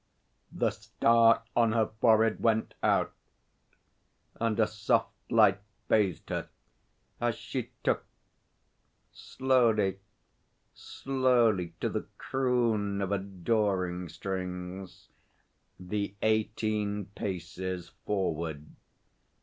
The star on her forehead went out, and a soft light bathed her as she took slowly, slowly to the croon of adoring strings the eighteen paces forward.